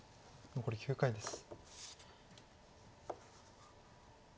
残り９回です。